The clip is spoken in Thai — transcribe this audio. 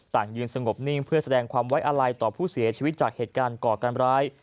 ยืนสงบนิ่งเพื่อแสดงความไว้อาลัยต่อผู้เสียชีวิตจากเหตุการณ์ก่อการร้าย